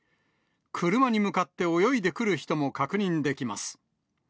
車に向かって泳いでくる人も確認できます。